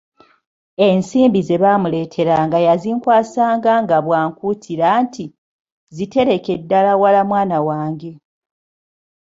Ensimbi ze baamuleeteranga yazinkwasanga nga bw'ankuutira nti, "ziterekere ddala wala mwana wange."